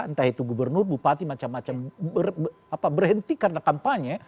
entah itu gubernur bupati macam macam berhenti karena kampanye